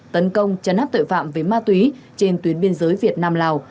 tấn công chấn áp tội phạm về ma túy trên tuyến biên giới việt nam lào